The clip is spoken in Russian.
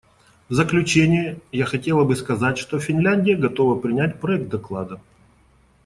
В заключение я хотела бы сказать, что Финляндия готова принять проект доклада.